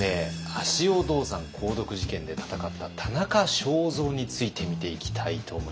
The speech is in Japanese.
足尾銅山鉱毒事件で闘った田中正造について見ていきたいと思います。